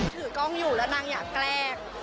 ถือกล้องอยู่แล้วนางอยากแกล้ง